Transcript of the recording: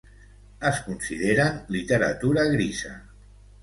Es consideren literatura grisa.